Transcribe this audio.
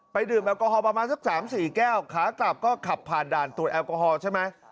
ดื่มแอลกอฮอลประมาณสัก๓๔แก้วขากลับก็ขับผ่านด่านตรวจแอลกอฮอล์ใช่ไหม